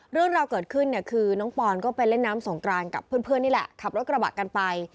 เรื่องราวเกิดขึ้นเนี่ยคือน้องปอนก็ไปเล่นน้ำสงกรานกับเพื่อนนี่แหละขับรถกระบะกันไป